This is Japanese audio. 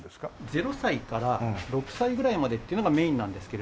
０歳から６歳ぐらいまでっていうのがメインなんですけれども。